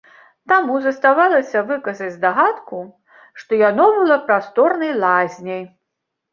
Таму заставалася выказаць здагадку, што яно было прасторнай лазняй.